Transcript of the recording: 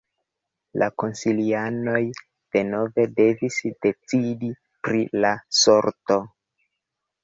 La konsilianoj denove devis decidi pri la sorto.